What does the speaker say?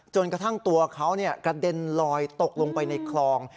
จนกระทั่งตัวเขากระเด็นลอยตกลงไปในคลอง